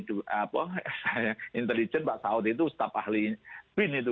saya intelijen pak saud itu ustaf ahli bin itu